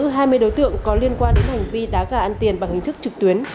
hai mươi đối tượng có liên quan đến hành vi đá gà ăn tiền bằng hình thức trực tuyến